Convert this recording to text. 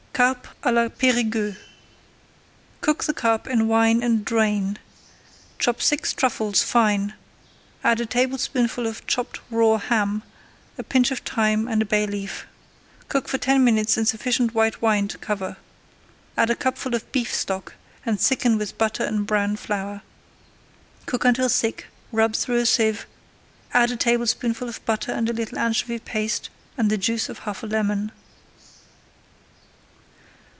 CARP À LA PÉRIGUEUX Cook the carp in wine and drain. Chop six truffles fine, add a tablespoonful of chopped raw ham, a pinch of thyme, and a bay leaf. Cook for ten minutes in sufficient white wine to cover. Add a cupful of beef stock and thicken with butter and browned flour. [Page 88] Cook until thick, rub through a sieve, add a tablespoonful of butter and a little anchovy paste and the juice of half a lemon.